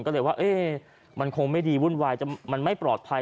ก็เลยว่ามันคงไม่ดีวุ่นวายมันไม่ปลอดภัย